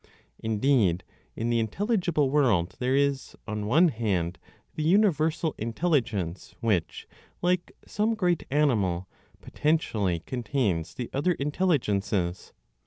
Indeed, in the intelligible world, there is, on one hand, the (universal) Intelligence which, like some great animal, potentially contains the other intelligences.